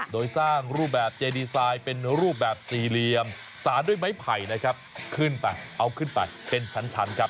โดยสร้างรูปแบบเจดีไซน์เป็นรูปแบบสี่เหลี่ยมสารด้วยไม้ไผ่นะครับขึ้นไปเอาขึ้นไปเป็นชั้นครับ